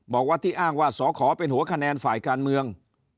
บอกว่าที่อ้างว่าสอขอเป็นหัวคะแนนฝ่ายการเมือง